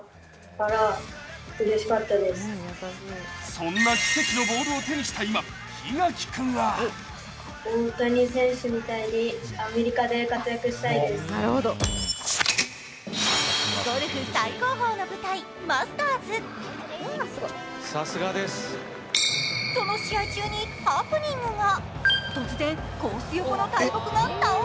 そんな奇跡のボールを手にした今、檜垣君はゴルフ最高峰の舞台、マスターズその試合中にハプニングが。